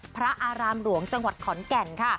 พระอารามหลวงจังหวัดขอนแก่นค่ะ